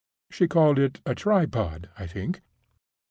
She called it a tripod, I think.